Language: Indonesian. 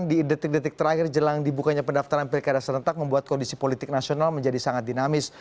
di detik detik terakhir jelang dibukanya pendaftaran pilkada serentak membuat kondisi politik nasional menjadi sangat dinamis